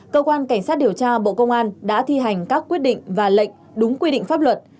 cơ quan cảnh sát điều tra bộ công an đã thi hành các quyết định và lệnh đúng quy định pháp luật